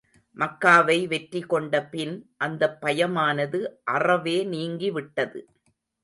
மக்காவை வெற்றி கொண்ட பின், அந்தப் பயமானது அறவே நீங்கி விட்டது.